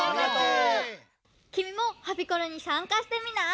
きみも「ハピコロ」にさんかしてみない？